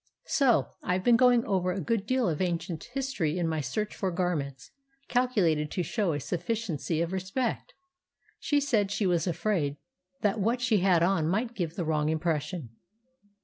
So I've been going over a good deal of ancient history in my search for garments calculated to show a sufficiency of respect. She said she was afraid that what she had on might give a wrong impression."